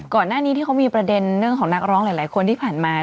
ก่อนหน้านี้ที่เขามีประเด็นเรื่องของนักร้องหลายคนที่ผ่านมา